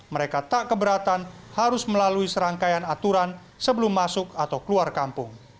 mereka tak keberatan harus melalui serangkaian aturan sebelum masuk atau keluar kampung